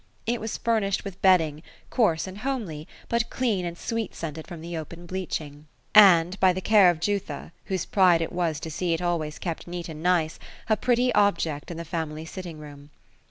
It was furnished with bedding, coarse and homelj', but clean and ffweet soented from the open bleaching ; and. — by the care of Jutba, 104 opbelia; whose pride it was to see it always kept neat and nice — a pretty object in the family sitting room.